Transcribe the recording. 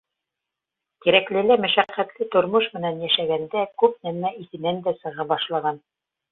Тирәклелә мәшәҡәтле тормош менән йәшәгәндә күп нәмә иҫенән дә сыға башлаған.